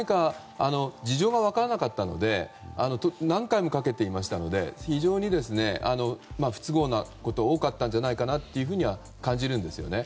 事情が分からなかったので何回もかけていましたので非常に不都合なことが多かったんじゃないかなと感じるんですよね。